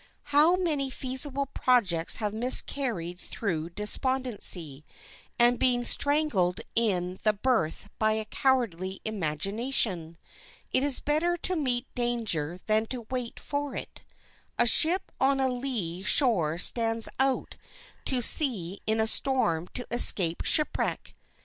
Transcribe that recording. How many feasible projects have miscarried through despondency, and been strangled in the birth by a cowardly imagination! It is better to meet danger than to wait for it. A ship on a lee shore stands out to sea in a storm to escape shipwreck.